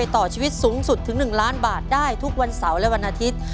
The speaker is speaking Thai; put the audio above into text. ต่อชีวิตสูงสุดถึง๑ล้านบาทได้ทุกวันเสาร์และวันอาทิตย์